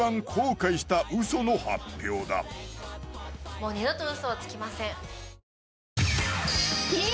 もう二度とウソはつきません